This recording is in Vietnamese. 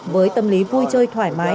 với tâm lý vui chơi thoải mái